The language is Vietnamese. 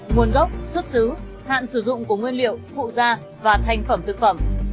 nguồn gốc xuất xứ hạn sử dụng của nguyên liệu phụ da và thành phẩm thực phẩm